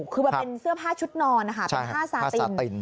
คือมันเป็นเสื้อผ้าชุดนอนผ้าสาติน